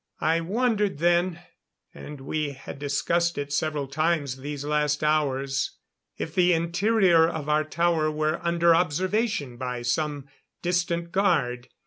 I wondered then and we had discussed it several times these last hours if the interior of our tower were under observation by some distant guard.